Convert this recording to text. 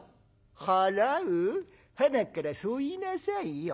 「払う？はなっからそう言いなさいよ。